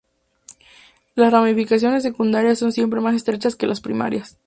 Las ramificaciones secundarias son siempre más estrechas que las primarias.